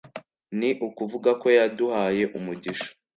ni ukuvuga ko yaduhaye umugisha